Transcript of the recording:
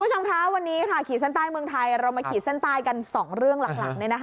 คุณผู้ชมคะวันนี้ขี่ดแสนป้ายเมืองไทยเรามาขี่ดแสนป้ายกันสองเรื่องหลักนะคะ